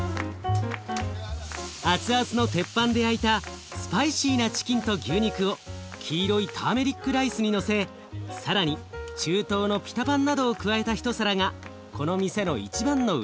熱々の鉄板で焼いたスパイシーなチキンと牛肉を黄色いターメリックライスにのせ更に中東のピタパンなどを加えた一皿がこの店の一番の売れ筋。